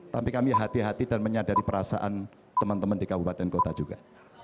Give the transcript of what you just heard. tapi kami hati hati dan menyadari perasaan teman teman di kabupaten kota juga